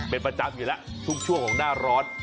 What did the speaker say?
เป็นประจำอยู่แล้วทุกช่วงของหน้าร้อน